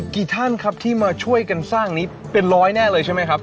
กี่ท่านครับที่มาช่วยกันสร้างนี้เป็นร้อยแน่เลยใช่ไหมครับ